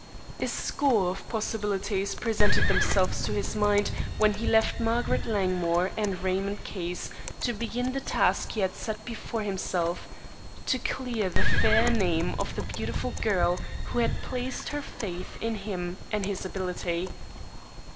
A score of possibilities presented themselves to his mind when he left Margaret Langmore and Raymond Case to begin the task he had set before himself to clear the fair name of the beautiful girl who had placed her faith in him and his ability.